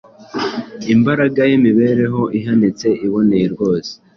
Imbaraga y’imibereho ihanitse, iboneye rwose,